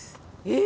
え！